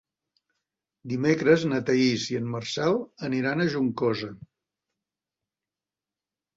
Dimecres na Thaís i en Marcel aniran a Juncosa.